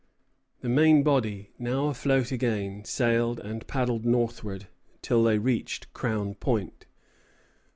The main body, now afloat again, sailed and paddled northward till they reached Crown Point.